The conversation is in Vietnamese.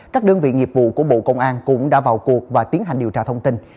các đơn vị nghiệp vụ của bộ công an cũng đã vào cuộc và tiến hành điều tra thông tin